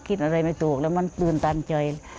คิดอะไรไม่ถูกแล้วมันตื่นตันใจ